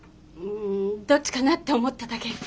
うんどっちかなって思っただけ。